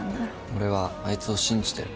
俺は、あいつを信じてる。